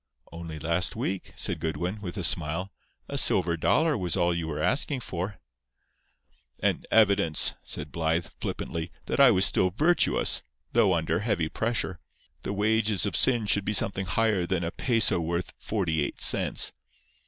"Only last week," said Goodwin, with a smile, "a silver dollar was all you were asking for." "An evidence," said Blythe, flippantly, "that I was still virtuous—though under heavy pressure. The wages of sin should be something higher than a peso worth forty eight cents.